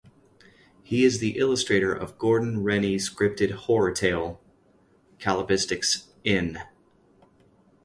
He is the illustrator of Gordon Rennie-scripted horror tale Caballistics, In.